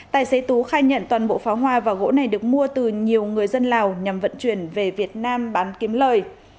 tài xế tú khai nhận toàn bộ pháo hoa và gỗ này được mua từ nhiều người dân lào nhằm vận chuyển về việt nam bán kiếm lời